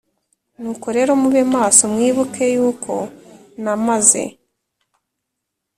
Nuko rero mube maso mwibuke yuko namaze